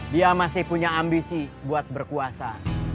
dia masih punya ambisi buat berkuasa